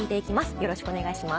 よろしくお願いします。